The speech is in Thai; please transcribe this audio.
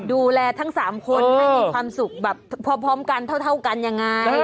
ดูแลทั้ง๓คนให้มีความสุขแบบพร้อมกันเท่ากันยังไง